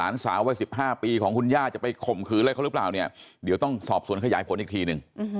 เดี๋ยวต้องสอบส่วนขยายผลอีกทีหนึ่ง